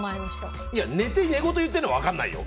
寝て、寝言言ってるのは分からないよ。